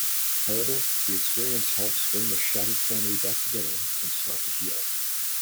However, the experience helps bring the shattered family back together and start to heal.